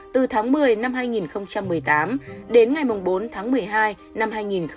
từ tháng một mươi năm hai nghìn một mươi tám đến ngày bốn tháng một mươi hai năm hai nghìn một mươi chín